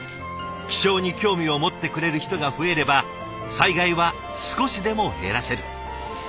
気象に興味を持ってくれる人が増えれば災害は少しでも減らせる。